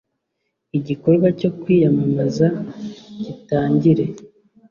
igikorwa cyo kwiyamamaza gitangire